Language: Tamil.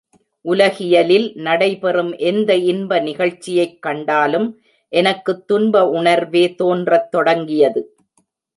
உலகியலில் நடை பெறும் எந்த இன்ப நிகழ்ச்சியைக் கண்டாலும் எனக்குத் துன்ப உணர்வே தோன்றத் தொடங்கியது.